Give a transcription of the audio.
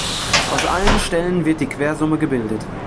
Aus allen Stellen wird die Quersumme gebildet.